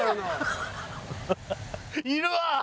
いるわ！